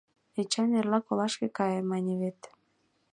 Эчан «Эрлак олашке кае» мане вет...